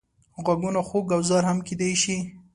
غږونه خوږ او زهر هم کېدای شي